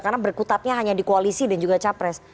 karena berkutatnya hanya di koalisi dan juga capres